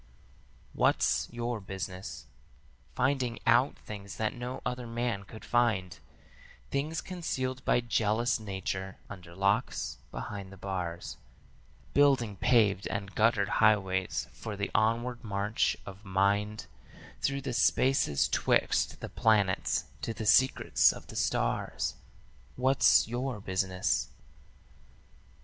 "'What's your business?' Finding out things that no other man could find, Things concealed by jealous Nature under locks, behind the bars; Building paved and guttered highways for the onward march of mind Through the spaces 'twixt the planets to the secrets of the stars. 'What's your business?'